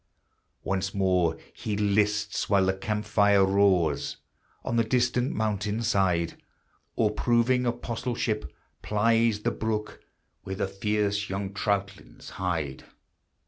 Once more he lists while the camp fire roars On the distant mountain side, Or, proving apostleship, plies the brook Where the fierce young troutlings hide.